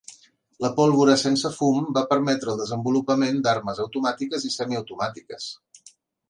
La pólvora sense fum va permetre el desenvolupament d'armes automàtiques i semiautomàtiques.